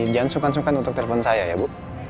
jangan sungkan sukan untuk telepon saya ya bu